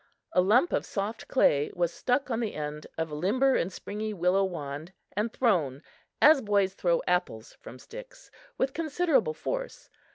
A lump of soft clay was stuck on the end of a limber and springy willow wand and thrown as boys throw apples from sticks, with considerable force.